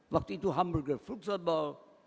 waktu itu hamburger fructo ball